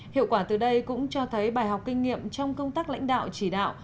hiệu quả từ đây cũng cho thấy bài học kinh nghiệm trong công tác lãnh đạo chỉ đạo